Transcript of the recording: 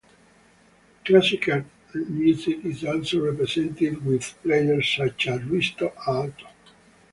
Classical music is also represented with players such as Risto Aalto.